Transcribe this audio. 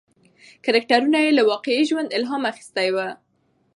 کرکټرونه یې له واقعي ژوند الهام اخیستی و.